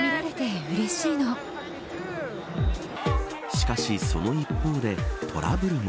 しかしその一方でトラブルも。